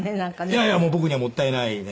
いやいやもう僕にはもったいないね